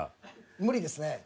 無理ですね。